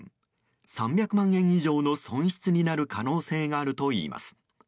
３００万円以上の損失になる可能性があるといいます。